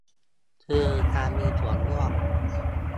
คือการมีส่วนร่วม